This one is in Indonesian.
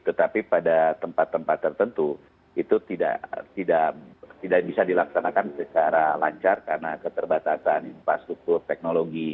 tetapi pada tempat tempat tertentu itu tidak bisa dilaksanakan secara lancar karena keterbatasan infrastruktur teknologi